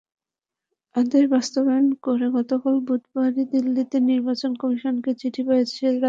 আদেশ বাস্তবায়ন করে গতকাল বুধবারই দিল্লিতে নির্বাচন কমিশনকে চিঠি দিয়েছে রাজ্য সরকার।